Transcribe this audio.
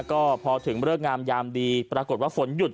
ก็พอถึงเลิกงามยามดีปรากฏว่าฝนหยุด